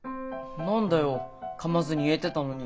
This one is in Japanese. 何だよかまずに言えてたのに。